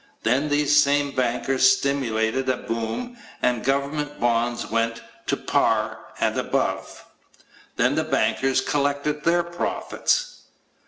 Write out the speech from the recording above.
Then these same bankers stimulated a boom and government bonds went to par and above. Then the bankers collected their profits.